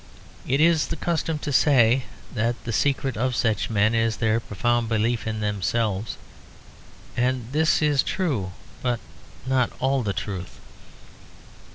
It is the custom to say that the secret of such men is their profound belief in themselves, and this is true, but not all the truth.